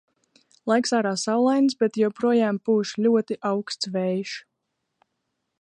Laiks ārā saulains, bet joprojām pūš ļoti auksts vējš.